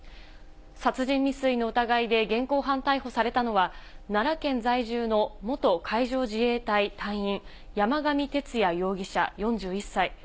殺人未遂の疑いで現行犯逮捕されたのは、奈良県在住の元海上自衛隊隊員、山上徹也容疑者４１歳。